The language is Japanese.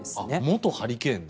元ハリケーン？